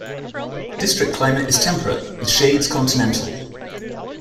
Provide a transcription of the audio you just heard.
District climate is temperate, with shades continental.